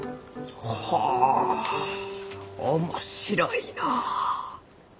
ほう面白いのう。